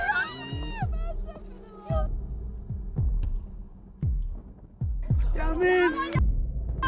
lantas dia nganjep